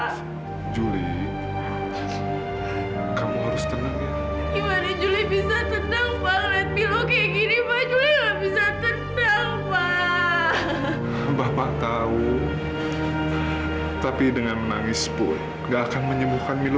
sampai jumpa di video selanjutnya